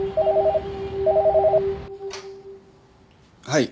はい。